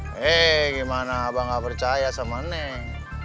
hei gimana abah gak percaya sama neng